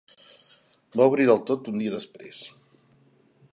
Va obrir del tot un dia després